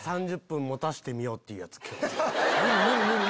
無理無理！